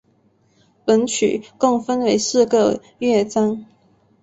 本曲共分为四个乐章。